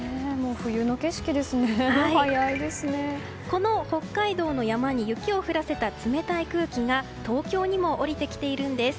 この北海道の山に雪を降らせた冷たい空気が東京にも下りてきているんです。